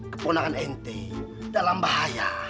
keponangan ente dalam bahaya